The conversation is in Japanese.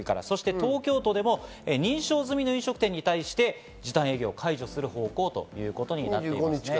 東京都でも認証済みの飲食店に対して時短営業を解除する方向ということになっています。